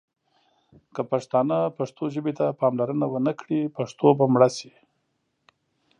که پښتانه پښتو ژبې ته پاملرنه ونه کړي ، پښتو به مړه شي.